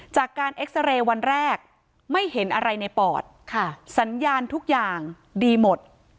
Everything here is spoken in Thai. จากการเอ็กซาเรย์วันแรกไม่เห็นอะไรในปอดสัญญาณทุกอย่างดีหมด